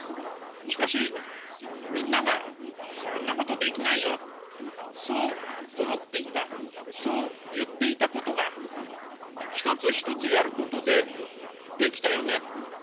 しかし、みんながそんなことできないよとそう思っていた、そう言っていたことが一つ一つやることでできたよねと。